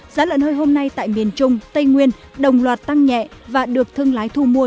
giá lợn hơi hôm nay tại miền trung tây nguyên đồng loạt tăng nhẹ và được thương lái thu mua